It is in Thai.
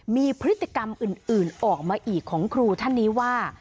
มีพฤติกรรมอื่นออกมาอีกของครูท่านนี้ว่า